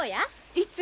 いつ？